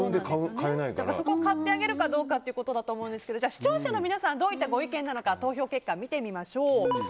そこを買ってあげるかどうかってことだと思うんですけど視聴者の皆さんはどういったご意見なのか投票結果を見てみましょう。